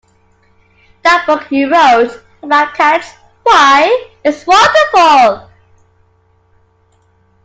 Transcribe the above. That book you wrote — about cats, why, it’s wonderful!